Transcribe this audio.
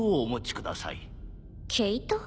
毛糸？